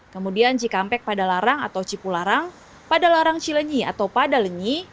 kemudian cikampek pada larang atau cipularang pada larang cilenyi atau padalenyi